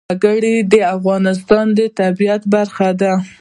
وګړي د افغانستان د طبیعت برخه ده.